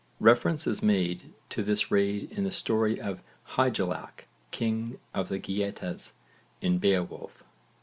Reference is made to this raid in the story of Hygelac, king of the Geatas, in Beowulf.